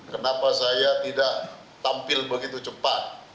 kenapa saya tidak tampil begitu cepat